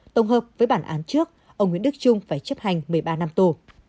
tổng hợp với bản án trước ông nguyễn đức trung phải chấp hành một mươi ba năm tù